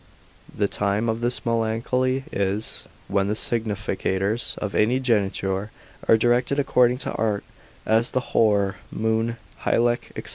The time of this melancholy is, when the significators of any geniture are directed according to art, as the hor: moon, hylech, &c.